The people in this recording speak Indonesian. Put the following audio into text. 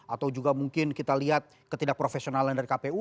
atau juga mungkin kita lihat ketidakprofesionalan dari kpu